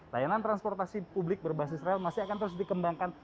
layanan transportasi publik berbasis rel masih akan terus dikembangkan